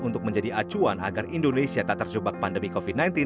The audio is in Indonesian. untuk menjadi acuan agar indonesia tak terjebak pandemi covid sembilan belas